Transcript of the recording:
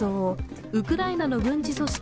４ヲウクライナの軍事組織